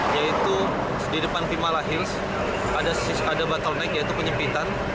yaitu di depan fimala hills ada bottleneck yaitu penyempitan